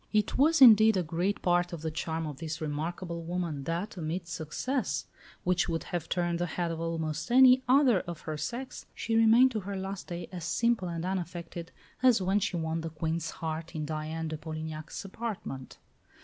It was, indeed, a great part of the charm of this remarkable woman that, amid success which would have turned the head of almost any other of her sex, she remained to her last day as simple and unaffected as when she won the Queen's heart in Diane de Polignac's apartment.